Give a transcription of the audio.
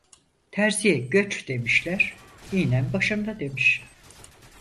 Terziye göç demişler, iğnem başımda demiş.